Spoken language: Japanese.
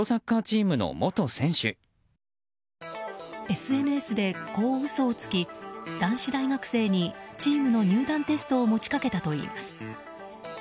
ＳＮＳで、こう嘘をつき男子大学生にチームの入団テストを持ちかけたといいます。